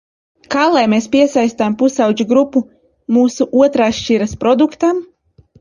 Kā lai mēs piesaistām pusaudžu grupu mūsu otrās šķiras produktam?